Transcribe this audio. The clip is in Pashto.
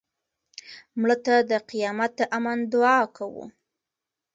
مړه ته د قیامت د امن دعا کوو